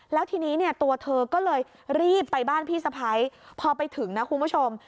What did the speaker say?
แล้วทีนี้เนี่ยตัวเธอก็เลยรีบไปบ้านพี่สะพ้ายพอไปถึงนะคุณผู้ชม